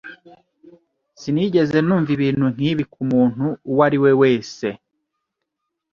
Sinigeze numva ibintu nk'ibi ku muntu uwo ari we wese .